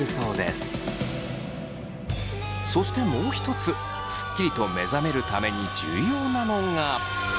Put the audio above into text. そしてもう一つスッキリと目覚めるために重要なのが。